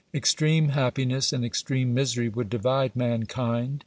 Extreme OBERMANN 105 happiness and extreme misery would divide mankind.